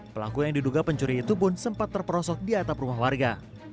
pelaku yang diduga pencuri itu pun sempat terperosok di atap rumah warga